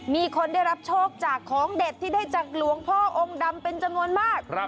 มีคนได้รับโชคจากของเด็ดที่ได้จากหลวงพ่อองค์ดำเป็นจำนวนมาก